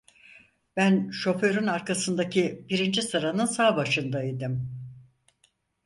Ben şoförün arkasındaki birinci sıranın sağ başında idim.